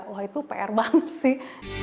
wah itu pr banget sih